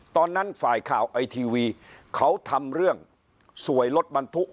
ฝ่ายข่าวไอทีวีเขาทำเรื่องสวยรถบรรทุก